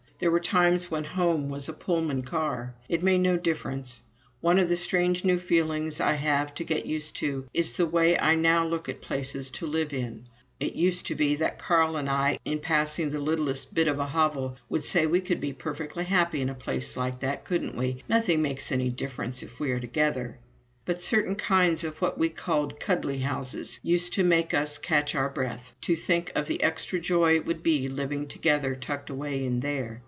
There were times when "home" was a Pullman car. It made no difference. One of the strange new feelings I have to get used to is the way I now look at places to live in. It used to be that Carl and I, in passing the littlest bit of a hovel, would say, "We could be perfectly happy in a place like that, couldn't we? Nothing makes any difference if we are together." But certain kinds of what we called "cuddly" houses used to make us catch our breaths, to think of the extra joy it would be living together tucked away in there.